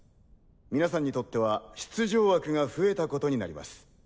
皆さんにとっては出場枠が増えたことになります。